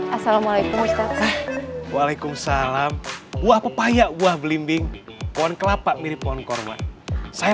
assalamualaikum waalaikumsalam buah pepaya buah belimbing pohon kelapa mirip pohon korban saya